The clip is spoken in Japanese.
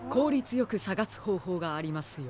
よくさがすほうほうがありますよ。